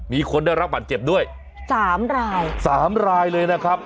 มีคนได้รับบัตรเจ็บด้วยศาลรายองค์นะครับ